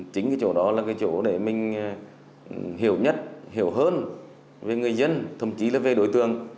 chính cái chỗ đó là cái chỗ để mình hiểu nhất hiểu hơn về người dân thậm chí là về đối tượng